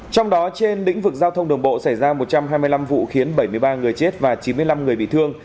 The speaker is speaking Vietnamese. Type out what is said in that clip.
trong đó trên lĩnh vực giao thông đường bộ xảy ra một trăm hai mươi năm vụ khiến bảy mươi ba người chết và chín mươi năm người bị thương